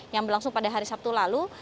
yang berlangsung pada hari sabtu lalu